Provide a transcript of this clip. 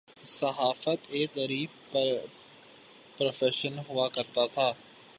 صحافت ایک غریب پروفیشن ہوا کرتاتھا۔